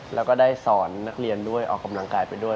แล้วก็ได้สอนนักเรียนด้วยออกกำลังกายไปด้วย